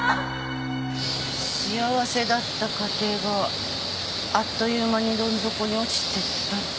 幸せだった家庭があっという間にどん底に落ちてったってことね。